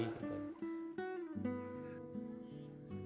kalau perlu tidak usah kembali